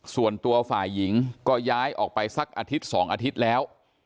ส่วนตัวฝ่ายหญิงก็ย้ายออกไปสักอาทิตย์๒อาทิตย์แล้ว